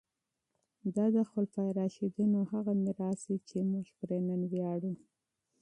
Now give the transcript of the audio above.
دا د خلفای راشدینو هغه میراث دی چې موږ پرې نن ویاړو.